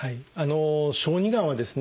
小児がんはですね